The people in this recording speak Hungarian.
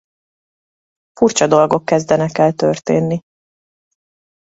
Furcsa dolgok kezdenek el történni.